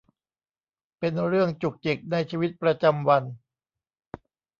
เป็นเรื่องจุกจิกในชีวิตประจำวัน